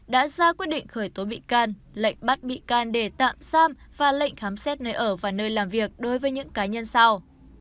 đã ra quyết định khởi tố bị can lệnh bắt bị can để tạm giam và lệnh khám xét nơi ở và nơi làm việc đối với những cá nhân sau